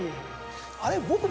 あれ。